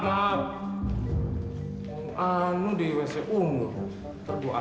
yang perlu ditolong itu tika